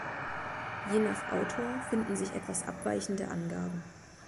Je nach Autor finden sich etwas abweichende Angaben.